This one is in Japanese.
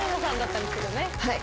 はい。